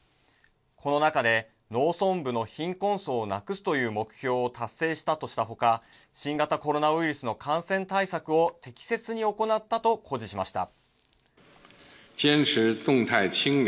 この中で農村部の貧困層をなくすという目標を達成したとしたほか新型コロナウイルスの感染対策を適切に行ったと誇示しました。